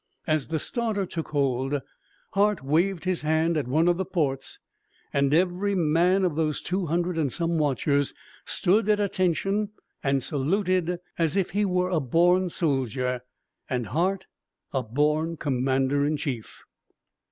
As the starter took hold, Hart waved his hand at one of the ports and every man of those two hundred and some watchers stood at attention and saluted is if he were a born soldier and Hart a born commander in chief.